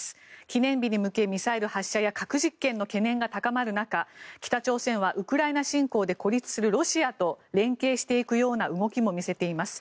記念日に向け、ミサイル発射や核実験の懸念が高まる中北朝鮮はウクライナ侵攻で孤立するロシアと連携していくような動きも見せています。